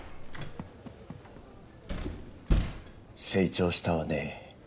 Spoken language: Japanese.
成長したわね